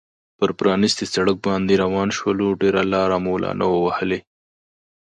پر پرانیستي سړک باندې روان شولو، ډېره لار مو لا نه وه وهلې.